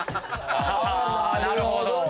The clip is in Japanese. なるほどね！